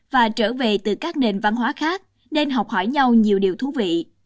và trở về từ các nền văn hóa khác nên học hỏi nhau nhiều điều thú vị